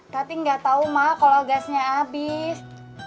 tati gak tau mak kalau gasnya abis